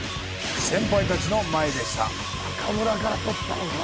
先輩たちの前でした。